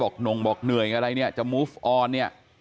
หน่งบอกเหนื่อยอะไรเนี่ยจะมูฟออนเนี่ย